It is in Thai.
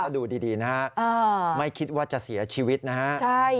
ดูดีนะฮะไม่คิดว่าจะเสียชีวิตนะฮะ